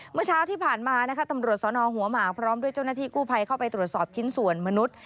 เมื่อเช้าที่ผ่านมานะคะตำรวจสนหัวหมากพร้อมด้วยเจ้าหน้าที่กู้ภัยเข้าไปตรวจสอบชิ้นส่วนมนุษย์